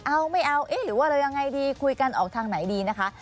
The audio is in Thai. เอาไม่เอาเอ๊ะหรือว่าเรายังไงดีคุยกันออกทางไหนดีนะคะ